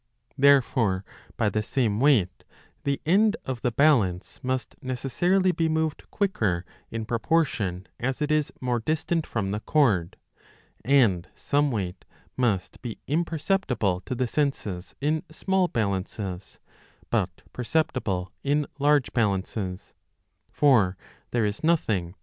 Therefore by the same weight the end of the balance must 25 necessarily be moved quicker in proportion as it is more distant from the cord, and some weight must be imper ceptible to the senses in small balances, but perceptible in large balances ; for there is nothing to prevent the 30 fails.